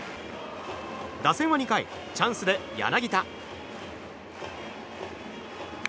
打線は２回、チャンスで柳田。